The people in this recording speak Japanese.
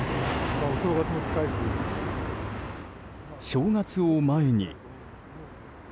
正月を前に。